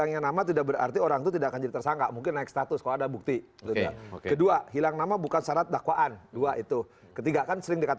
yang dilakukan oleh yang lain